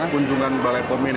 kunjungan balai pom ini